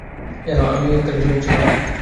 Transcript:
জানো, আমিও এককালে যুবক ছিলাম।